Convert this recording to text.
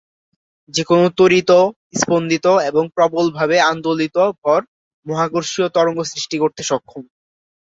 যেকোন ত্বরিত, স্পন্দিত এবং প্রবলভাবে আন্দোলিত ভর মহাকর্ষীয় তরঙ্গ সৃষ্টি করতে সক্ষম।